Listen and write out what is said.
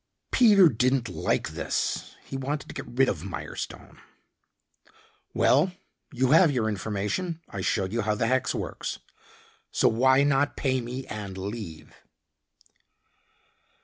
Peter didn't like this. He wanted to get rid of Mirestone. "Well, you have your information. I showed you how the hex works. So, why not pay me and leave?"